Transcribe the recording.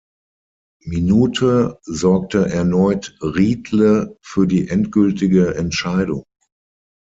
Minute sorgte erneut Riedle für die endgültige Entscheidung.